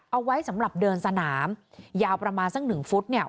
เอาไว้สำหรับเดินสนามยาวประมาณสักหนึ่งฟุตเนี่ย